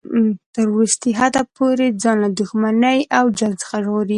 تر وروستي حد پورې ځان له دښمنۍ او جنګ څخه ژغوره.